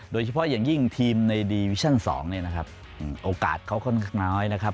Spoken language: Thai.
โดยเฉพาะอย่างยิ่งทีมในดีวิชั่น๒โอกาสเขาก็น้อยนะครับ